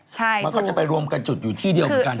ใช่มันก็จะไปรวมกันจุดอยู่ที่เดียวก็เลย